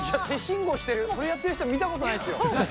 手信号やってる、それやってる人、見たことないですよ。